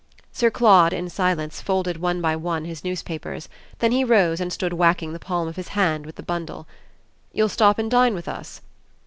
Sir Claude, in silence, folded one by one his newspapers; then he rose and stood whacking the palm of his hand with the bundle. "You'll stop and dine with us?"